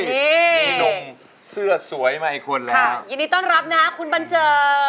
นี่มีหนุ่งเสื้อสวยใหม่คนแล้วค่ะยินดีต้อนรับนะฮะคุณบันเจิญ